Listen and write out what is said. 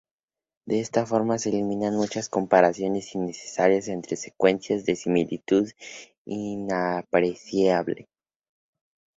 De esta forma se eliminan muchas comparaciones innecesarias entre secuencias de similitud inapreciable.